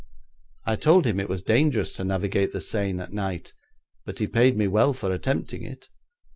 I told him it was dangerous to navigate the Seine at night, but he paid me well for attempting it.